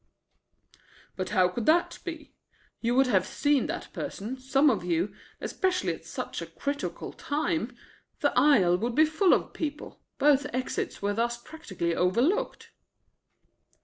"But how could that be? You would have seen that person, some of you, especially at such a critical time. The aisle would be full of people, both exits were thus practically overlooked."